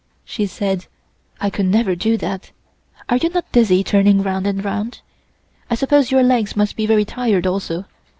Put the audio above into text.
She said: "I could never do that. Are you not dizzy turning round and round? I suppose your legs must be very tired also.